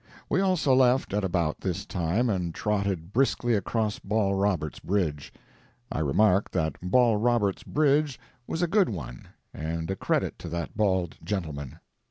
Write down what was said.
We also left at about this time and trotted briskly across Ball Robert's bridge. I remarked that Ball Robert's bridge was a good one and a credit to that bald gentleman.